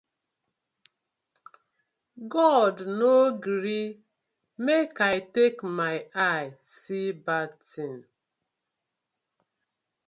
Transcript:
God no gree mek I take my eye see bad tin.